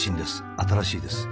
新しいです。